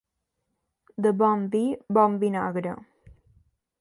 De bon vi, bon vinagre.